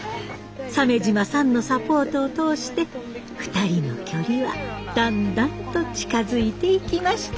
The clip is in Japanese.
鮫島さんのサポートを通して２人の距離はだんだんと近づいていきました。